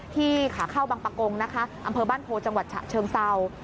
ที่ขาเข้าบางปะกงอำเภอบ้านโพธิ์จังหวัดเชิงเศร้า